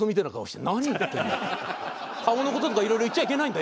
顔の事とかいろいろ言っちゃいけないんだ